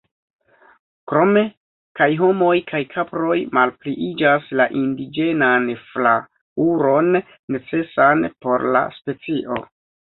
Krome kaj homoj kaj kaproj malpliiĝas la indiĝenan flaŭron necesan por la specio.